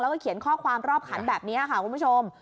แล้วก็เขียนข้อความรอบขันแบบนี้ค่ะคุณผู้ชม